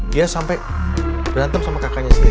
dia sampai berantem sama kakaknya sendiri